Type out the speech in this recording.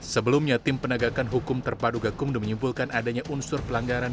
sebelumnya tim penegakan hukum terpadu gakumdu menyimpulkan adanya unsur pelanggaran